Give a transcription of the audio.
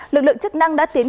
lực lượng chức năng đã tiến